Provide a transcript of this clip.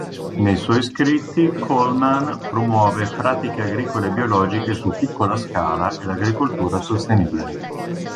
Nei suoi scritti Coleman promuove pratiche agricole biologiche su piccola scala e l'agricoltura sostenibile.